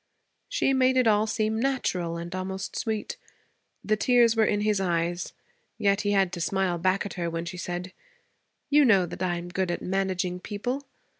She made it all seem natural and almost sweet. The tears were in his eyes, yet he had to smile back at her when she said, 'You know that I am good at managing people.